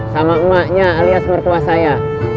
sama emaknya alias mertua saya